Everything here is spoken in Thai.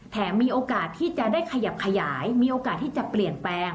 มีโอกาสที่จะได้ขยับขยายมีโอกาสที่จะเปลี่ยนแปลง